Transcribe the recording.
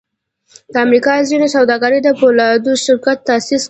د امریکا ځینو سوداګرو د پولادو شرکت تاسیس کړی و